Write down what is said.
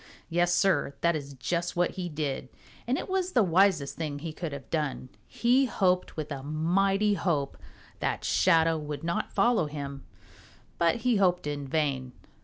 Yes, Sir, that is just what he did, and it was the wisest thing he could have done. He hoped with a mighty hope that Shadow would not follow him, but he hoped in vain.